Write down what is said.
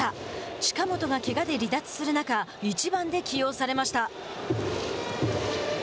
近本がけがで離脱する中１番で起用されました。